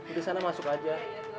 udah sana masuk aja